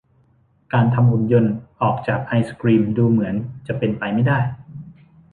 การทำหุ่นยนต์ออกจากไอศกรีมดูเหมือนจะเป็นไปไม่ได้